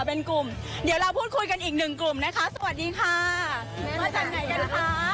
เป็นกลุ่มเดี๋ยวเราพูดคุยกันอีกหนึ่งกลุ่มนะคะสวัสดีค่ะมาจากไหนกันคะ